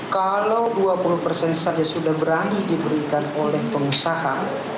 kalau dua puluh persen saja sudah berani diberikan oleh pengusaha